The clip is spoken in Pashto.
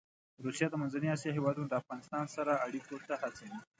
روسیه د منځنۍ اسیا هېوادونه د افغانستان سره اړيکو ته هڅوي.